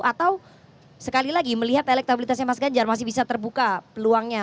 atau sekali lagi melihat elektabilitasnya mas ganjar masih bisa terbuka peluangnya